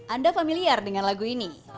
anda familiar dengan lagu ini